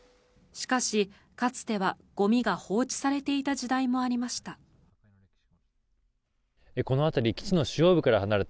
しかし、かつてはゴミが放置されていた時代もありました。